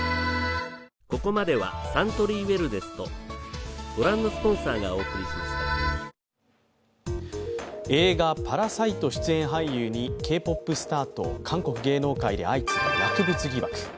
新しいあたりまえを映画「パラサイト」出演俳優にＫ−ＰＯＰスターと韓国芸能界で相次ぐ薬物疑惑。